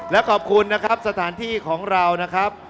และขอบคุณนะครับสถานที่ของเรานะครับ